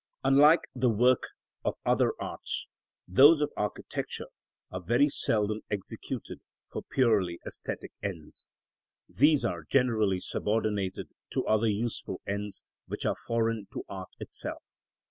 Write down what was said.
Unlike the works of the other arts, those of architecture are very seldom executed for purely æsthetic ends. These are generally subordinated to other useful ends which are foreign to art itself.